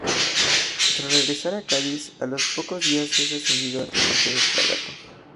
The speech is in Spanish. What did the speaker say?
Tras regresar a Cádiz a los pocos días es ascendido a teniente de fragata.